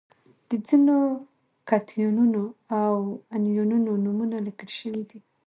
د ځینو کتیونونو او انیونونو نومونه لیکل شوي دي.